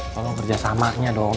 tolong kerjasamanya dong